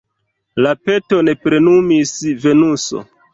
La peton plenumis Venuso.